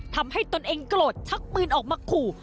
ตนเองโกรธชักปืนออกมาขู่